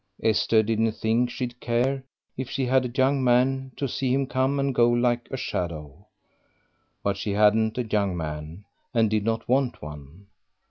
Esther didn't think she'd care, if she had a young man, to see him come and go like a shadow. But she hadn't a young man, and did not want one.